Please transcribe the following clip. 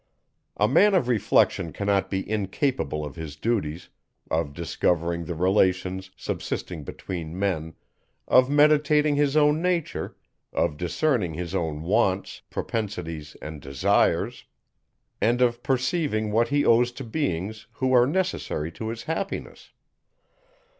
A man of reflection cannot be incapable of his duties, of discovering the relations subsisting between men, of meditating his own nature, of discerning his own wants, propensities, and desires, and of perceiving what he owes to beings, who are necessary to his happiness.